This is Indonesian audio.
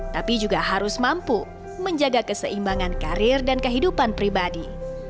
tapi juga harus mampu menjaga keseimbangan karir dan kehidupan pribadi